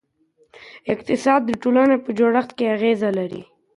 اقتصاد د ټولنې په جوړښت اغېزه لري.